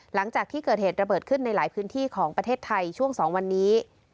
หลังจากที่เกิดเหตุระเบิดขึ้นในหลายพื้นที่ของประเทศไทยช่วง๒วันนี้